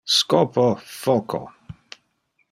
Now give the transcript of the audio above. Scopo. Foco!